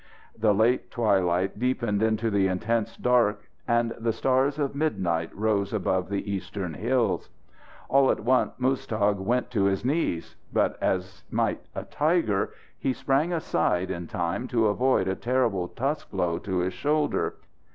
The late twilight deepened into the intense dark, and the stars of midnight rose above the eastern hills. All at once, Muztagh went to his knees. But as might a tiger, he sprang aside in time to avoid a terrible tusk blow to his shoulder.